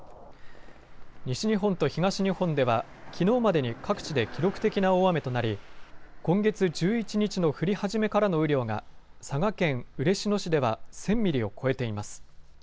西日本と東日本ではきのうまでに各地で記録的な大雨となり今月１１日の降り始めからの雨量が佐賀県嬉野市では１０００ミリを超えています。